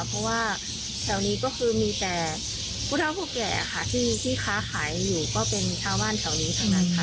เพราะว่าแถวนี้ก็คือมีแต่ผู้เท่าผู้แก่ค่ะที่ค้าขายอยู่ก็เป็นชาวบ้านแถวนี้ทั้งนั้นค่ะ